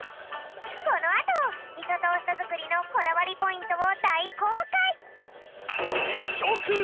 このあとみそトーストづくりのこだわりポイントをだいこうかい。